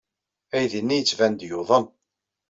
Aydi-nni yettban-d yuḍen.